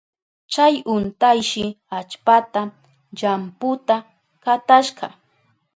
Chay untayshi allpata llamputa katashka.